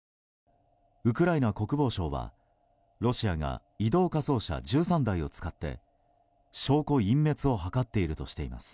ウクライナ国防省はロシアが移動火葬車１３台を使って証拠隠滅を図っているとしています。